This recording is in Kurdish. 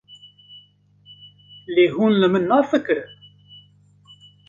Lê hûn li min nafikirin?